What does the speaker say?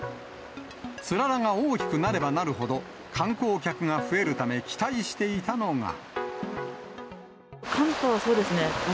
つららが大きくなればなるほど観光客が増えるため、期待していた寒波はそうですね。